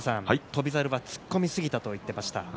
翔猿が突っ込みすぎたと言っていました。